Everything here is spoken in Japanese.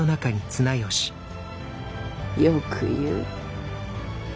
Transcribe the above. よく言う。